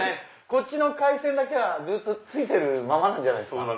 こっちの回線だけはついてるままじゃないですか？